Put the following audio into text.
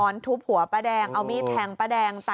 ขอทุบหัวป้าแดงเดิมานะคะ